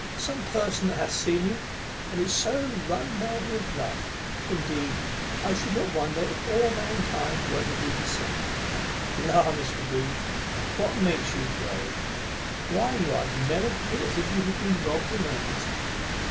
some person that hath seen you, and so is run mad with love. Indeed, I should not wonder if all mankind were to do the same. La! Mr. Booth, what makes you grave? why, you are as melancholy as if you had been robbed in earnest.